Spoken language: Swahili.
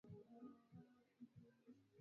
Nikilinganishwa na watu wengine